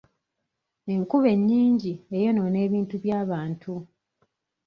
Enkuba ennyingi eyonoona ebintu by'abantu.